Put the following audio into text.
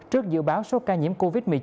trước dự báo số ca nhiễm covid một mươi chín